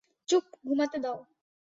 চুপ, ঘুমাতে দাও!